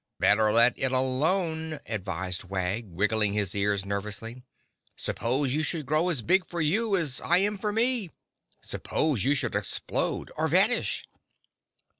"Better let it alone," advised Wag, wiggling his ears nervously. "Suppose you should grow as big for you as I am for me. Suppose you should explode or vanish!"